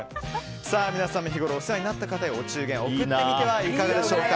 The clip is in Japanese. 皆さんも日ごろお世話になった方へお中元送ってみてはいかがでしょうか。